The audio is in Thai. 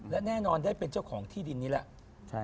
และแน่นอนได้เป็นเจ้าของที่ดินนี้แหละ